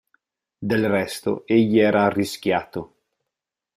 Del resto, egli era arrischiato.